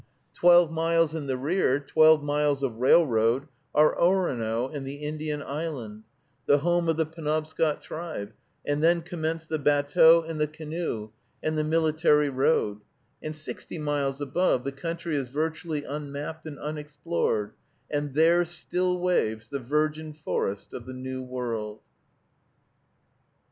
Twelve miles in the rear, twelve miles of railroad, are Orono and the Indian Island, the home of the Penobscot tribe, and then commence the batteau and the canoe, and the military road; and sixty miles above, the country is virtually unmapped and unexplored, and there still waves the virgin forest of the New World.